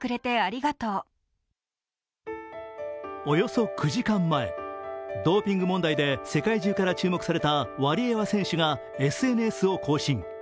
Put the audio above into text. およそ９時間前、ドーピング問題で世界中から注目されたワリエワ選手がＳＮＳを更新。